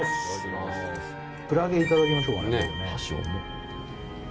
クラゲいただきましょうかね。